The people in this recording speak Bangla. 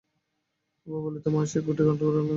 অপু বলিত, মা সেই ঘুটে কুড়োনোর গল্পটা?